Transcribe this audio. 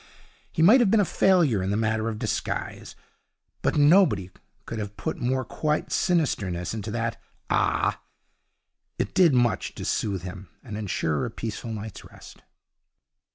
He might have been a failure in the matter of disguise, but nobody could have put more quiet sinister ness into that 'Ah!' It did much to soothe him and ensure a peaceful night's rest.